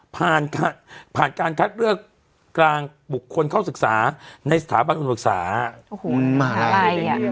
ผ่านการคลักเลือกกลางบุคคลเข้าศึกษาในสถาบันอุณหศักดิ์